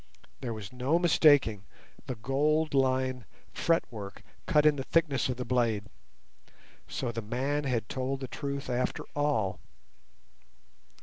There was no mistaking the gold lined fretwork cut in the thickness of the blade. So the man had told the truth after all.